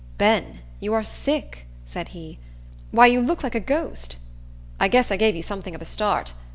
"Ben, you are sick," said he. "Why, you look like a ghost. I guess I gave you something of a start.